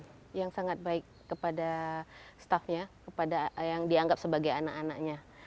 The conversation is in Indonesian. dia sangat baik kepada stafnya kepada yang dianggap sebagai anak anaknya